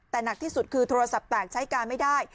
แต่หนักที่สุดคือโทรศัพท์แตกใช้การไม่ได้